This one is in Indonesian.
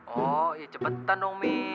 oh ya cepetan dong mi